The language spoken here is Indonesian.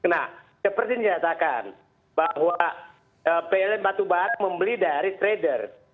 nah seperti dikatakan bahwa pln batubara membeli dari trader